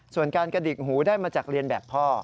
ส่วนการกระดิกหูได้มาจากเรียนแบบพ่อ